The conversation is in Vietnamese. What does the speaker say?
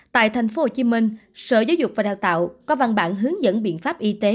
tại tp hcm sở giáo dục và đào tạo có văn bản hướng dẫn biện pháp y tế